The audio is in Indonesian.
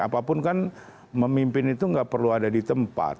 apapun kan memimpin itu nggak perlu ada di tempat